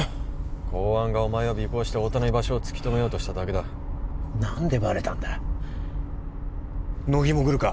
公安がお前を尾行して太田の居場所を突き止めようとしただけだ何でバレたんだ乃木もグルか？